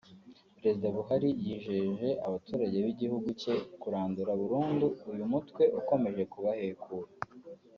Perezida Buhari yijeje abaturage b’igihugu cye kurandura burundu uyu mutwe ukomeje kubahekura